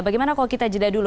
bagaimana kalau kita jeda dulu